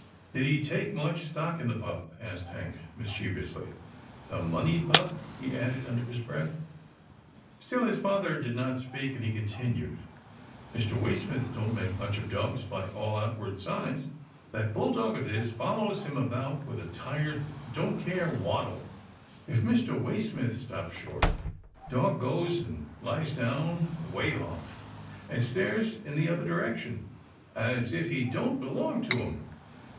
" Did he take much stock in the pup ?" asked Hank, mischievously. " The moneyed pup," he added under his breath. Still his father did not speak, and he continued, "Mr. Waysmith don't make much of dogs by all out ward signs. That bulldog of his follows him about with a tired, don't care waddle. If Mr. Waysmith stops short, dog goes and lies down away off, and stares in the other direction, as if he didn't belong to him.